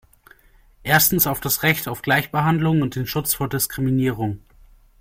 Erstens auf das Recht auf Gleichbehandlung und den Schutz vor Diskriminierung.